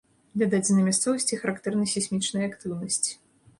Для дадзенай мясцовасці характэрна сейсмічная актыўнасць.